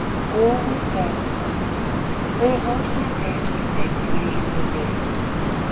All was dark now. Her heart vibrated painfully in her breast.